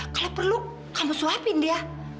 kalau perlu kamu suapin dia